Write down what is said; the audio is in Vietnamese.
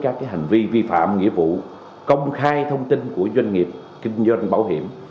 các hành vi vi phạm nghĩa vụ công khai thông tin của doanh nghiệp kinh doanh bảo hiểm